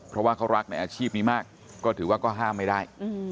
เพราะว่าเขารักในอาชีพนี้มากก็ถือว่าก็ห้ามไม่ได้